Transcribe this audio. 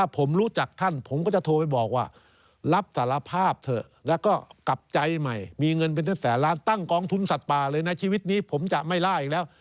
ผมจะไม่ล่าอีกแล้ว